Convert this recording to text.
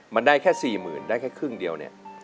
มันได้แค่๔๐๐๐ได้แค่ครึ่งเดียวเนี่ย